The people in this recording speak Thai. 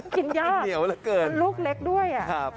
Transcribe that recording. กินเยอะเหนียวเหลือเกินครับกินเยอะลูกเล็กด้วย